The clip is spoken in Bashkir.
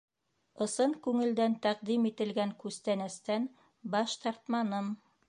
Ысын күңелдән тәҡдим ителгән күстәнәстән баш тартманым.